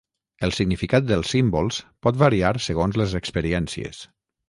el significat dels símbols pot variar segons les experiències